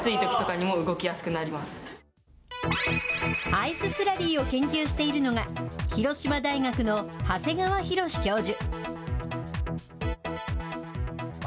アイススラリーを研究しているのが、広島大学の長谷川博教授。